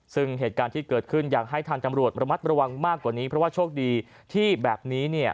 ซึ่งเหตุการณ์ที่เกิดขึ้นอยากให้ทางตำรวจระมัดระวังมากกว่านี้เพราะว่าโชคดีที่แบบนี้เนี่ย